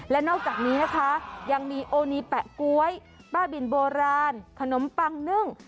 และนอกจากนี้นะคะยังมีโอนีแปะก๊วยบ้าบินโบราณขนมปังนึ่ง